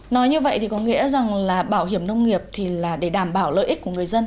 nói như vậy thì có nghĩa rằng là bảo hiểm nông nghiệp thì là để đảm bảo lợi ích của người dân